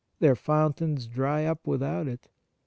Their fountains dry up without it.